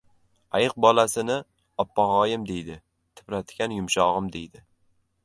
• Ayiq bolasini oppog‘im deydi, tipratikan yumshog‘im deydi.